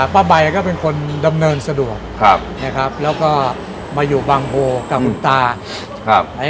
ป้าใบก็เป็นคนดำเนินสะดวกแล้วก็มาอยู่บางโภกับคุณตา